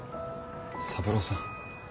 三郎さん。